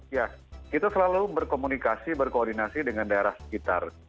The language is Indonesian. ya kita selalu berkomunikasi berkoordinasi dengan daerah sekitar